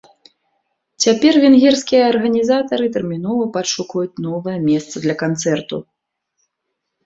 Цяпер венгерскія арганізатары тэрмінова падшукваюць новае месца для канцэрту.